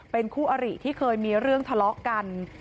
เป็นคู่อริที่เคยมีเรื่องทะเลาะกัน